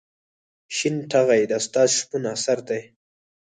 شین ټاغی د استاد شپون اثر دی.